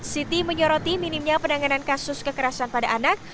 siti menyoroti minimnya penanganan kasus kekerasan pada anak